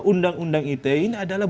undang undang ite ini adalah